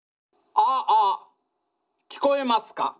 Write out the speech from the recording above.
ああ聞こえますか。